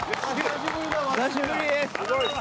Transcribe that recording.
松潤久しぶりです